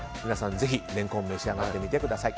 ぜひレンコン召し上がってみてください。